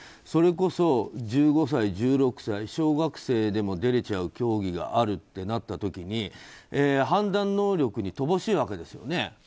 それこそ１５歳、１６歳小学生でも出れちゃう競技があるってなった時に判断能力に乏しいわけですよね。